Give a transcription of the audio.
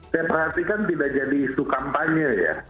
saya perhatikan tidak jadi isu kampanye ya